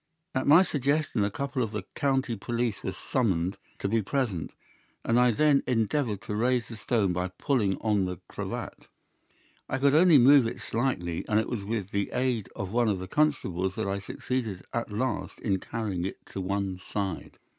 "At my suggestion a couple of the county police were summoned to be present, and I then endeavoured to raise the stone by pulling on the cravat. I could only move it slightly, and it was with the aid of one of the constables that I succeeded at last in carrying it to one side.